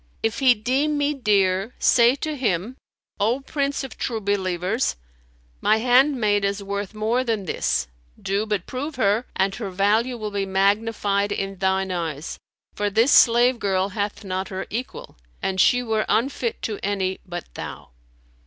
If he deem me dear, say to him: 'O Prince of True Believers, my handmaid is worth more than this: do but prove her, and her value will be magnified in thine eyes; for this slave girl hath not her equal, and she were unfit to any but thou.'"